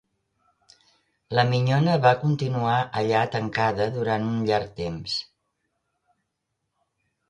La minyona va continuar allà tancada durant un llarg temps.